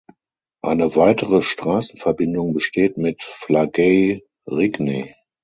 Eine weitere Straßenverbindung besteht mit Flagey-Rigney.